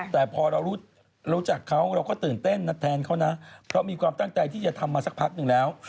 แต่พอเรารู้จักเขาเราก็ตื่นเต้นนะแทนเขานะเพราะมีความตั้งใจที่จะทำมาสักพักหนึ่งแล้ว